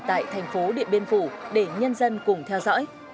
tại thành phố điện biên phủ để nhân dân cùng theo dõi